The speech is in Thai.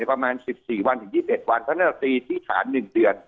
ประมาณ๑๔วันถึง๒๑วันเพราะฉะนั้นเราตีที่ฐาน๑เดือน